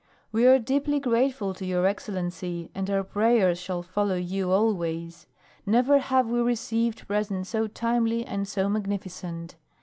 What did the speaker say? "We are deeply grateful to your excellency, and our prayers shall follow you always. Never have we received presents so timely and so magnificent.